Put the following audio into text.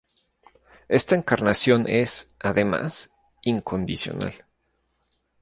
Esta encarnación es, además, incondicional.